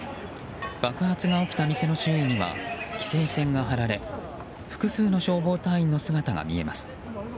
爆発が起きた店の周囲には規制線が張られ複数の消防隊員の姿が見えます。